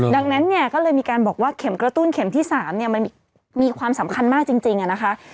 ดังนั้นเนี่ยก็เลยมีการบอกว่าเข็มกระตุ้นเข็มที่๓มันมีความสำคัญมากจริงนะคะ